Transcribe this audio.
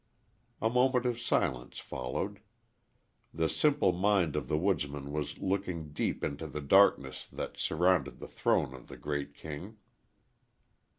A moment of silence followed. The simple mind of the woodsman was looking deep into the darkness that surrounded the throne of the great king.